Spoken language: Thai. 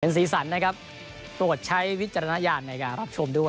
สีสันนะครับโปรดใช้วิจารณญาณในการรับชมด้วย